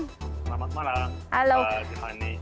selamat malam pak jihani